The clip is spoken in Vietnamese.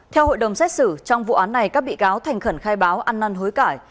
theo hội đồng xét xử trong vụ án này các bị cáo thành khẩn khai báo ăn năn hối cải